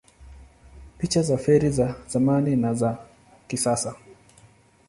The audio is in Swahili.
Picha za feri za zamani na za kisasa